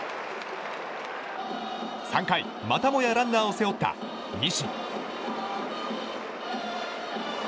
３回、またもやランナーを背負った西。